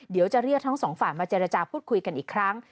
เดี๋ยวจะเรียกทั้งสองฝ่ายมาเจรจาพูดคุยกันอีกครั้ง